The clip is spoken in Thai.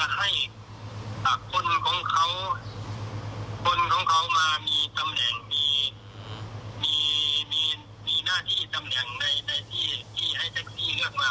คุณของเขามามีนาธิตำแหน่งในที่ให้แท็กซี่กันมา